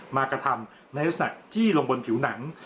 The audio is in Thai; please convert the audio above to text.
กระทำในลักษณะจี้ลงบนผิวหนัง